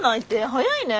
早いね。